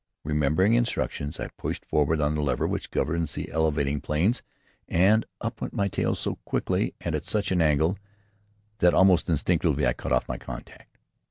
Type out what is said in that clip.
Remembering instructions, I pushed forward on the lever which governs the elevating planes, and up went my tail so quickly and at such an angle that almost instinctively I cut off my contact.